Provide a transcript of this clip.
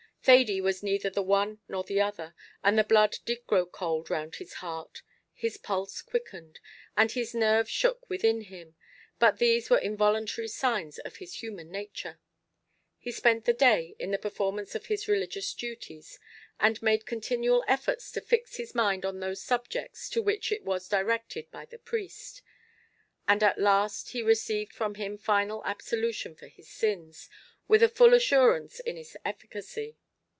Thady was neither the one nor the other; and the blood did grow cold round his heart his pulse quickened, and his nerves shook within him; but these were involuntary signs of his human nature. He spent the day in the performance of his religious duties, and made continual efforts to fix his mind on those subjects to which it was directed by the priest; and at last he received from him final absolution for his sins, with a full assurance in its efficacy.